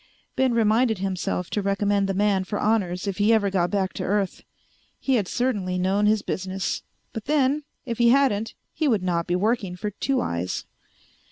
Ben reminded himself to recommend the man for honors if he ever got back to Earth. He had certainly known his business; but then, if he hadn't he would not be working for "Two Eyes."